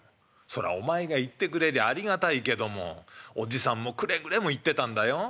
「そらお前が行ってくれりゃありがたいけどもおじさんもくれぐれも言ってたんだよ。